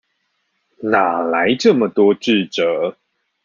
哪來那麼多智者